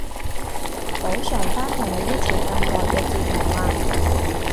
補償返同你一齊咁耐嘅折磨啊